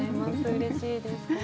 うれしいです。